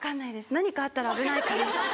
何かあったら危ないから。